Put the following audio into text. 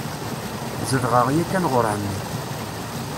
Zedɣeɣ yakan ɣur εemmi.